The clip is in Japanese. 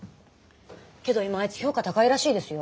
けど今あいつ評価高いらしいですよ。